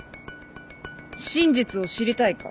真実を知りたいか？